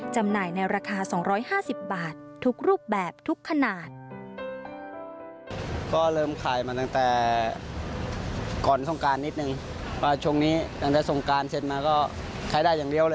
จำหน่ายในราคา๒๕๐บาททุกรูปแบบทุกขนาด